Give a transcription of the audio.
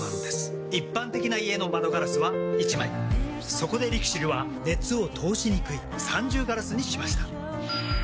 そこでＬＩＸＩＬは熱を通しにくい三重ガラスにしました。